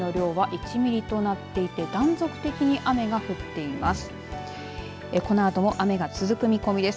この１時間の鹿児島の雨の量は１ミリとなっていて断続的に雨が降っています。